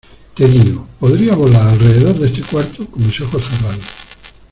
¡ Te digo, podría volar alrededor de este cuarto con mis ojos cerrados!